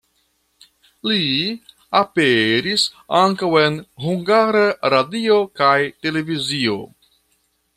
Li aperis ankaŭ en Hungara Radio kaj Televizio.